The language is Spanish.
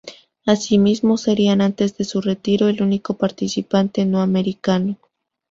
Asimismo, sería antes de su retiro el único participante no americano.